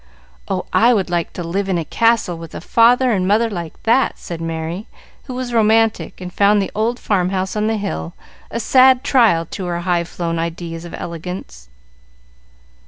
Oh, I would like to live in a castle with a father and mother like that," said Merry, who was romantic, and found the old farmhouse on the hill a sad trial to her high flown ideas of elegance.